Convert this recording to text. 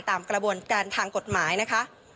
ตามกระบวนการทางกฎหมายนะคะ